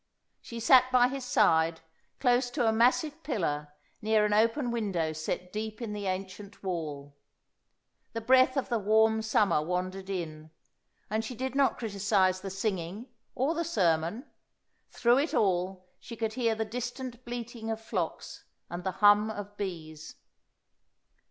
She sat by his side, close to a massive pillar, near an open window set deep in the ancient wall. The breath of the warm summer wandered in, and she did not criticise the singing or the sermon. Through it all she could hear the distant bleating of flocks and the hum of bees.